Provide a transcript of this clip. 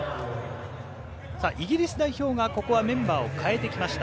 イギリス代表がここはメンバーを変えてきました。